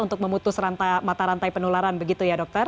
untuk memutus mata rantai penularan begitu ya dokter